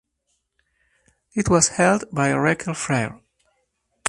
It was held by Raquel Freire.